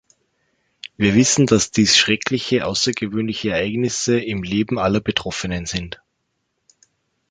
Wir wissen, dass dies schreckliche, außergewöhnliche Ereignisse im Leben aller Betroffenen sind.